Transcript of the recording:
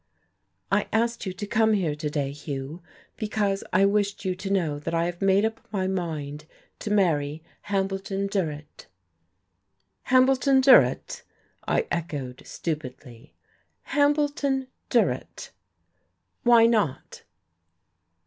"I asked you to come here to day, Hugh, because I wished you to know that I have made up my mind to marry Hambleton Durrett." "Hambleton Durrett!" I echoed stupidly. "Hambleton Durrett!" "Why not?"